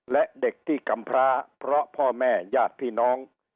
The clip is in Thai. และเด็กที่กำพร้าเพราะพ่อแม่ญาติพี่น้อง